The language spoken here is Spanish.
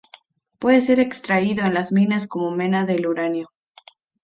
Puede ser extraído en las minas como mena del uranio.